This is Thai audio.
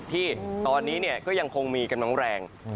ที่ตอนนี้ก็ยังคงมีกำลังแรง